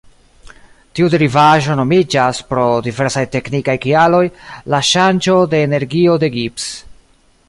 Tiu derivaĵo nomiĝas, pro diversaj teknikaj kialoj, la ŝanĝo de energio de Gibbs.